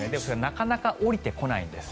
なかなか下りてこないんです。